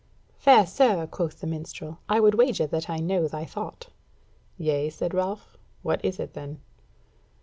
"Fair sir," quoth the minstrel, "I would wager that I know thy thought." "Yea," said Ralph, "what is it then?"